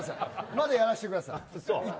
まずやらせてください。